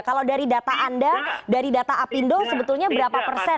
kalau dari data anda dari data apindo sebetulnya berapa persen